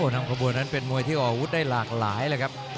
นำขบวนนั้นเป็นมวยที่ออกอาวุธได้หลากหลายเลยครับ